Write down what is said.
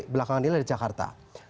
belakangan ini ada jakarta